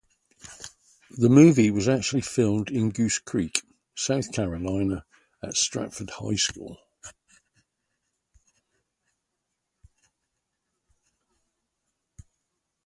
The movie was actually filmed in Goose Creek, South Carolina at Stratford High School.